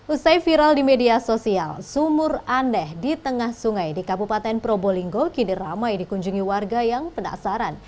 usai viral di media sosial sumur aneh di tengah sungai di kabupaten probolinggo kini ramai dikunjungi warga yang penasaran